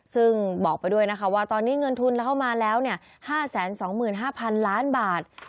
ซึ่งบอกไปด้วยนะคะว่าตอนนี้เงินทุนเราเข้ามาแล้ว๕๒๕๐๐๐ล้านบาท